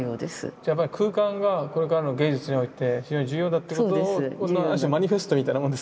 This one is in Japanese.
じゃあやっぱり空間がこれからの芸術において非常に重要だということをある種マニフェストみたいなもんですか。